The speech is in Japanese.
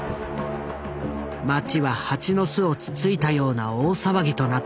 街は蜂の巣をつついたような大騒ぎとなった。